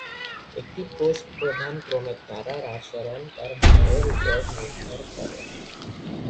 একটি পোস্ট প্রধান ক্রমের তারার আচরণ তার ভরের উপর নির্ভর করে।